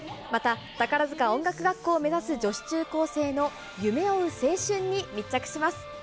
また宝塚音楽学校を目指す女子中高生の、夢追う青春に密着します。